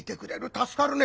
助かるね。